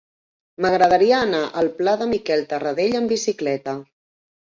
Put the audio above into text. M'agradaria anar al pla de Miquel Tarradell amb bicicleta.